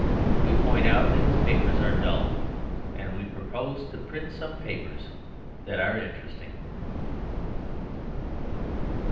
We point out that his papers are dull. And we propose to print some papers that are interesting.